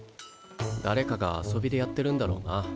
だれかが遊びでやってるんだろうな。